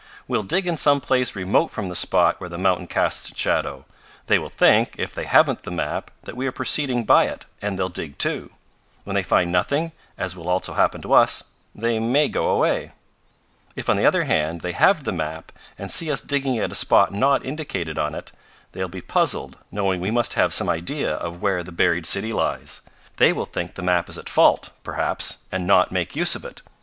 "We'll dig in some place remote from the spot where the mountain casts its shadow. They will think, if they haven't the map, that we are proceeding by it, and they'll dig, too. When they find nothing, as will also happen to us, they may go away. "If, on the other hand, they have the map, and see us digging at a spot not indicated on it, they will be puzzled, knowing we must have some idea of where the buried city lies. They will think the map is at fault, perhaps, and not make use of it.